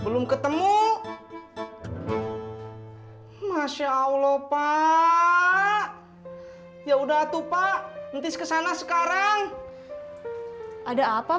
belum ketemu masya allah pak ya udah tuh pak entis kesana sekarang ada apa